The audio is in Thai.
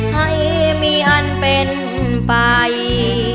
ให้มีอันเป็นไป